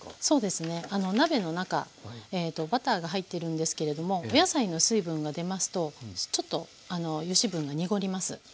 そうですね鍋の中バターが入ってるんですけれどもお野菜の水分が出ますとちょっと油脂分が濁ります。